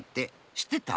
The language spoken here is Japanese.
しってた？